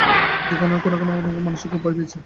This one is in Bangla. যে-কোনো কারণেই হোক মানুষটা খুব ভয় পেয়েছে।